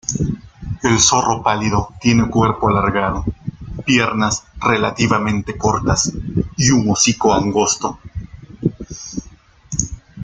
El zorro pálido tiene cuerpo alargado, piernas relativamente cortas y un hocico angosto.